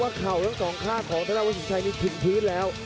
ท้าเขาแล้วสองข้างคิดได้ชื่นพลิ้นแล้ว